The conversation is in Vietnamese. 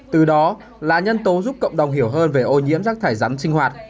từ đó là nhân tố giúp cộng đồng hiểu hơn về ô nhiễm rác thải rắn sinh hoạt